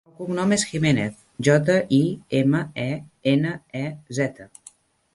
El cognom és Jimenez: jota, i, ema, e, ena, e, zeta.